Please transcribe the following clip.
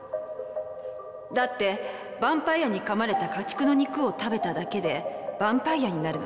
だってバンパイアに噛まれた家畜の肉を食べただけでバンパイアになるのに